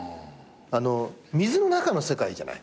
水の中の世界じゃない。